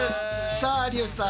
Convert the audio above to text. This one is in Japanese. さあ有吉さん。